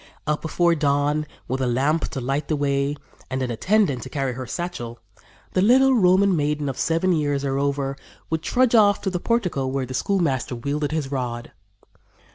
"Up before dawn, with a lamp to light the way, and an attendant to carry her satchel, the little Roman maiden of seven years, or over, would trudge off to the portico where the schoolmaster wielded his rod.